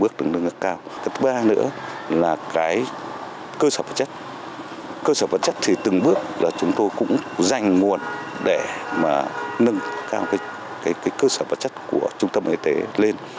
cơ sở vật chất thì từng bước là chúng tôi cũng dành nguồn để mà nâng cao cái cơ sở vật chất của trung tâm y tế lên